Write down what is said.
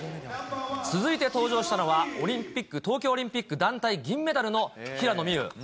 続いて登場したのは、東京オリンピック団体銀メダルの平野美宇。